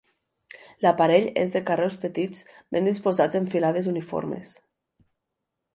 L'aparell és de carreus petits ben disposats en filades uniformes.